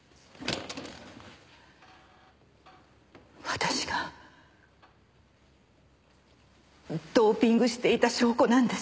私がドーピングしていた証拠なんです。